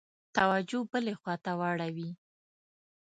توجه بلي خواته واوړي.